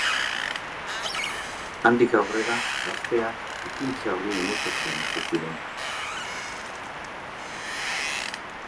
Handik aurrera, gazteak ekintza hori imitatzen hasi ziren.